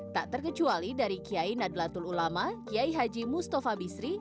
tak terkecuali dari kiai nadlatul ulama kiai haji mustafa bisri